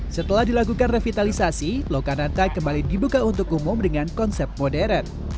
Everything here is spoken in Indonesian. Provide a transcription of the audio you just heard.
setelah dilakukan revitalisasi lokananta kembali dibuka untuk umum dengan konsep modern